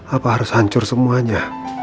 apa harus hancur semuanya